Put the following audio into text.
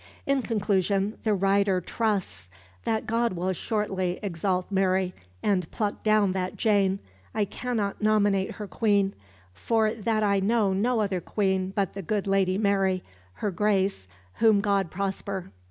In conclusion, the writer trusts that God will shortly exalt Mary, "and pluck down that Jane I cannot nominate her Queen, for that I know no other Queen but the good Lady Mary, her Grace, whom God prosper."